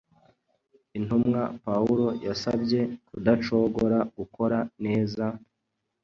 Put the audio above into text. Intumwa Pawulo yabasabye kudacogora gukora neza,